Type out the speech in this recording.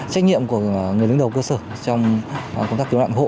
trách nhiệm của người đứng đầu cơ sở trong công tác cứu nạn hộ